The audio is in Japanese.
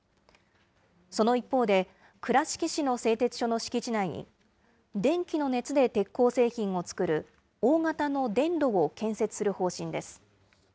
その一方で、倉敷市の製鉄所の敷地内に、電気の熱で鉄鋼製品を作る大型の電炉を建設する方針です。